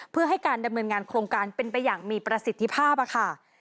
เพื่อให้การดำเนินงานโครงการเป็นไปอย่างมีประสิทธิภาพค่ะ